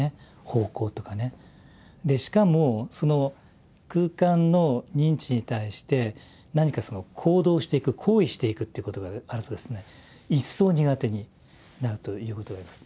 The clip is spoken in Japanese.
でしかもその空間の認知に対して何か行動していく行為していくっていうことがあるとですね一層苦手になるということがあります。